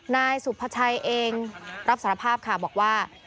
นายสุภาชัยเองรับสารภาพค่ะบอกว่า